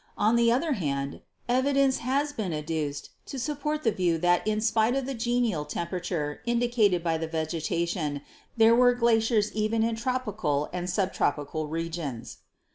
On the other hand, evidence has been adduced to support the view that in spite of the genial temperature indicated by the vegetation there were glaciers even in tropical and subtropical regions.